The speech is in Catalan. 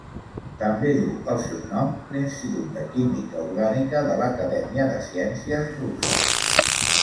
També duu el seu nom l'Institut de Química orgànica de l'Acadèmia de Ciències Russa.